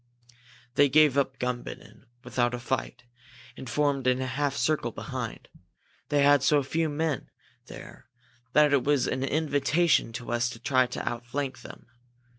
"They gave up Gumbinnen without a fight, and formed in a half circle behind. They had so few men there that it was an invitation to us to try to outflank them.